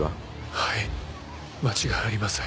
はい間違いありません。